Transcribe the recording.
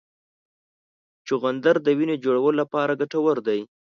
چغندر د وینې جوړولو لپاره ګټور دی.